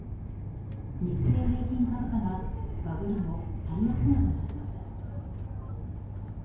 日経平均株価がバブル後最安値となりました。